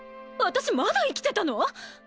私まだ生きてたの？